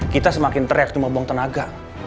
kita semakin teriak cuma buang tenaga